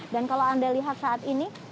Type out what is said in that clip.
dan kalau anda lihat saat ini